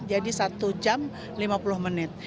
jadi satu jam lima puluh menit